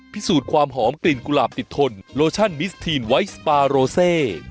พิสูจน์ความหอมกลิ่นกุหลาบติดทนโลชั่นมิสทีนไวท์สปาโรเซ